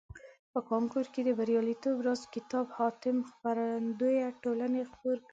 په کانکور کې د بریالیتوب راز کتاب حاتم خپرندویه ټولني خپور کړیده.